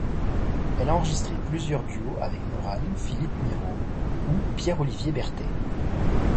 Elle a enregistré plusieurs duos avec Maurane, Philippe Miro ou Pierre-Olivier Berthet.